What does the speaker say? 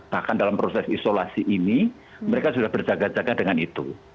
bahkan dalam proses isolasi ini mereka sudah berjaga jaga dengan itu